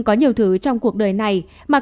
có nhiều thứ trong cuộc đời này mà